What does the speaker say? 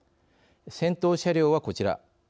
先頭車両は、こちら。